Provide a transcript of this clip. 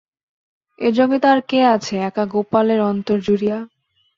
এ জগতে আর কে আছে একা গোপালের অস্তর জুড়িয়া?